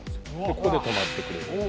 ここで止まってくれる。